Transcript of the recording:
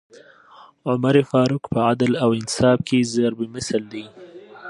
عمر فاروق په عدل او انصاف کي ضَرب مثل دی